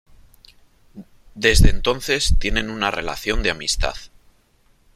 Desde entonces, tienen una relación de amistad.